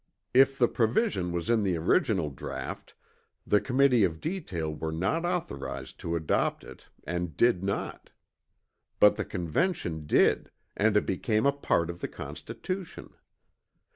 If the provision was in the original draught, the Committee of Detail were not authorized to adopt it and did not; but the Convention did and it became a part of the Constitution.